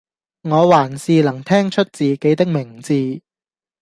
我還是能聽出自己的名字